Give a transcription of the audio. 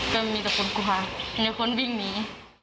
โดยไม่มีแต่คนกว้างมีคนวิ่งหนี